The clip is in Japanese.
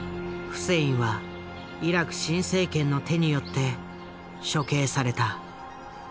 フセインはイラク新政権の手によって処刑された。